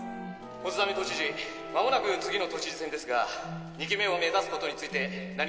「小津鮫都知事まもなく次の都知事選ですが２期目を目指す事について何かひと言お願いします」